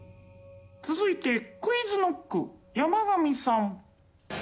続いてクイズノック山上さん。